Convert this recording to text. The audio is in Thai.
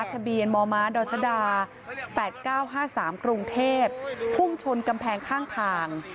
ทะเบียนมมดชด๘๙๕๓กรุงเทพพุ่งชนกำแพงข้างทาง